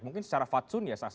mungkin secara fatsun ya